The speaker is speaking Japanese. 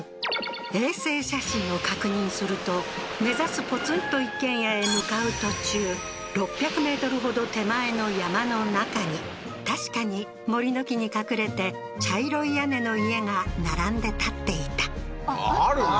衛星写真を確認すると目指すポツンと一軒家へ向かう途中６００ｍほど手前の山の中に確かに森の木に隠れて茶色い屋根の家が並んで建っていたあっあるね